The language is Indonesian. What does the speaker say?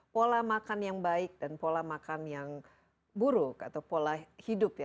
pola makan yang baik dan pola makan yang buruk atau pola hidup ya